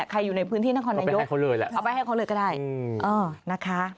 ใครอยู่ในพื้นที่นักความนายุกเอาไปให้เขาเลยก็ได้